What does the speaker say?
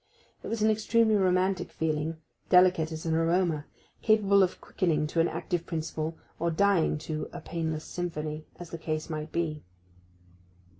It was an extremely romantic feeling, delicate as an aroma, capable of quickening to an active principle, or dying to 'a painless sympathy,' as the case might be.